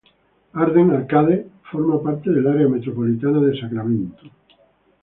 Arden-Arcade forma parte del área metropolitana de Sacramento.